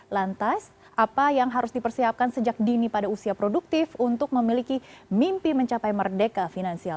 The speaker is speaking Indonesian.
lantas apa yang harus dipersiapkan sejak dini pada usia produktif untuk memiliki mimpi mencapai merdeka finansial